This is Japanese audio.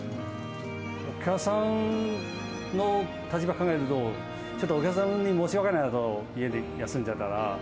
お客さんの立場考えると、ちょっとお客さんに申し訳ないなと、家で休んじゃったら。